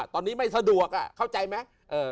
ตอนนี้ไม่สะดวกเข้าใจไหม